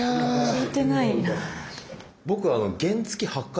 聞いてないな。